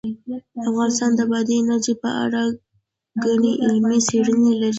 افغانستان د بادي انرژي په اړه ګڼې علمي څېړنې لري.